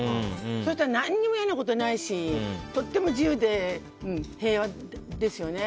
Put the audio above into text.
そうすると、何も嫌なことないしとっても自由で平和ですよね。